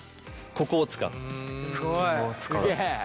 ここを使う。